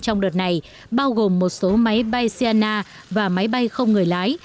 trong đợt này bao gồm một số máy bay sina và máy bay không người lái